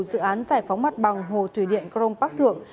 dự án giải phóng mặt bằng hồ thủy điện crong park thượng